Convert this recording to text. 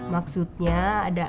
maksudnya ada kita